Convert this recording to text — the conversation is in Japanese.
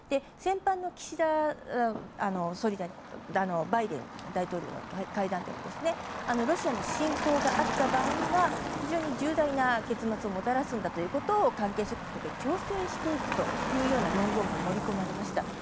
先般の岸田総理大臣とバイデン大統領の会談でもロシアの侵攻があった場合には非常に重大な結末をもたらすんだということを関係諸国で調整していくと盛り込まれました。